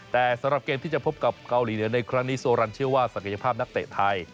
แต่สำหรับเกมที่จะพบกับเกาหลีเหนือในครั้งนี้โซรันเชื่อว่าศักยภาพนักเตะไทย